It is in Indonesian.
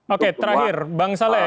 oke terakhir bang saleh